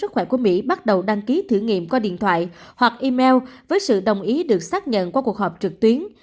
tuy nhiên các nhà nghiên cứu đã gửi một bộ dụng cụ thử nghiệm qua điện thoại hoặc email với sự đồng ý được xác nhận qua cuộc họp trực tuyến